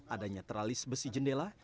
adanya tralis besi jendela